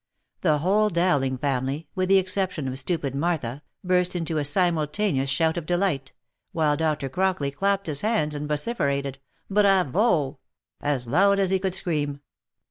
The whole Dowling family, with the exception of stupid Martha, ' burst into a simultaneous shout of delight, while Dr. Crockley clapped his hands, and vociferated, " Bravo !" as loud as he could scream.